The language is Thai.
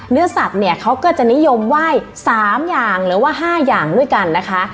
เนื้อสัตว์เนี่ยเขาก็จะนิยมไหว้๓อย่างหรือว่า๕อย่างด้วยกันนะคะ